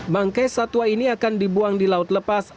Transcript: bangkai satwa ini akan dibuang di laut lepas